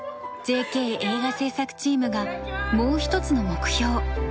ＪＫ映画制作チームがもう一つの目標